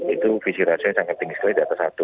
itu visi rasionya sangat tinggi sekali di atas satu